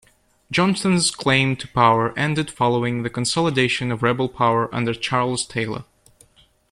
Johnson's claim to power ended following the consolidation of rebel power under Charles Taylor.